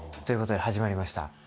ということで始まりました。